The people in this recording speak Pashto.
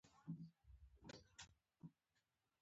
دا پاڅون په اذربایجان کې ترسره شو.